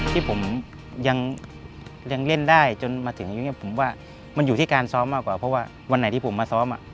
ที่ผมยังเล่นได้จนมาถึงยุคนี้ผมว่ามันอยู่ที่การซ้อมมากกว่าเพราะว่าวันไหนที่ผมมาซ้อม